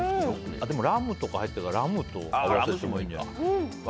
でも、ラムとか入ってるからラムとでもいいんじゃない。